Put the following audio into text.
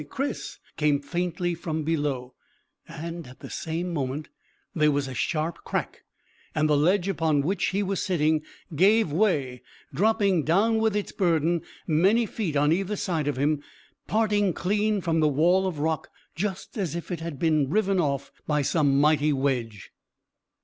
Chris!" came faintly from below, and at the same moment there was a sharp crack, and the ledge upon which he was sitting gave way, dropping down with its burden, many feet on either side of him parting clean from the wall of rock, just as if it had been riven off by some mighty wedge.